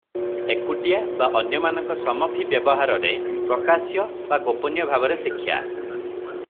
ଏକୁଟିଆ ବା ଅନ୍ୟମାନଙ୍କ ସମଭିବ୍ୟବହାରରେ ପ୍ରକାଶ୍ୟ ବା ଗୋପନୀୟ ଭାବରେ ଶିକ୍ଷା, ।